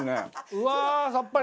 うわーさっぱり！